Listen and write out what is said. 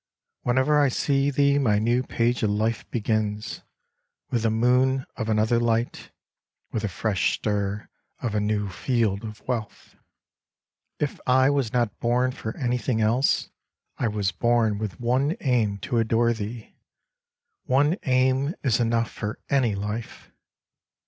Whenever I see thee my new page of life begins. With the moon of another light, With the fresh stir of a new field of wealth ; 54 Homekotoba If I was not born for anything else, I was bom with one aim to adore thee : One aim is enough for any life.